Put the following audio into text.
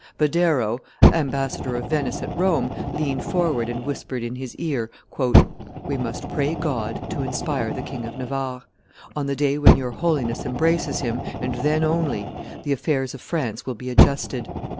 Badoero, ambassador of Venice at Rome, leaned forward and whispered in his ear, "We must pray God to inspire the King of Navarre. On the day when your Holiness embraces him, and then only, the affairs of France will be adjusted.